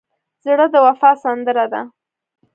زړه د وفا سندره ده.